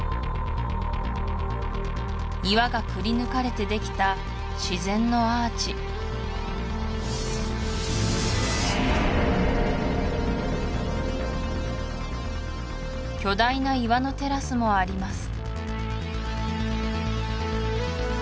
岩がくりぬかれてできた自然のアーチ巨大な岩のテラスもあります